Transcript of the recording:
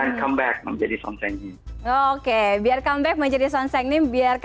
oke biar comeback menjadi sunset recon biar comeback menjadi tenaga pengajar ya